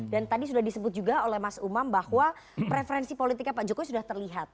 dan tadi sudah disebut juga oleh mas umam bahwa preferensi politiknya pak jokowi sudah terlihat